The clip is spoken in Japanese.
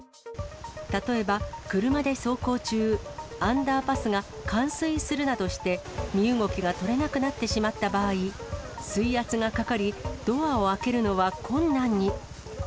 例えば、車で走行中、アンダーパスが冠水するなどして、身動きが取れなくなってしまった場合、水圧がかかり、ドアを開けるのは困難に。